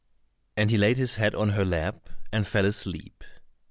And he laid his head on her lap, and fell asleep.